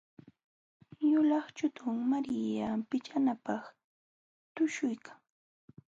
Yulaq chukum Maria pichanakaq tuśhuykan.